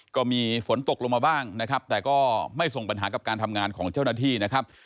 ก็มีฝนตกลงมาบ้างนะครับแต่ก็ไม่ส่งปัญหากับการทำงานของเจ้าหน้าที่นะครับ